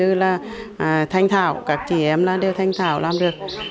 dư là thành thảo các chị em là đều thành thảo làm được